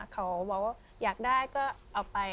เขาก็บอกอยากได้ก็เอาไป